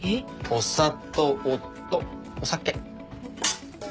お砂糖とお酒。